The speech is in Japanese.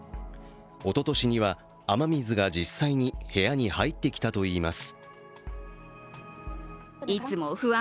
おととしには雨水が実際に部屋に入ってきたといいます。